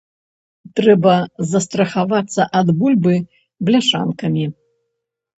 Трэба застрахавацца ад бульбы бляшанкамі.